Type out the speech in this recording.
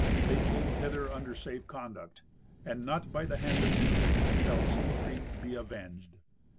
They came hither under safe conduct, and not by the hand of Dietrich shall Siegfried be avenged."